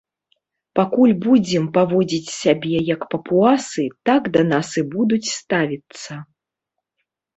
Пакуль будзем паводзіць сябе як папуасы, так да нас і будуць ставіцца.